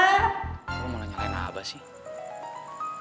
lu mau nanya nanya abah sih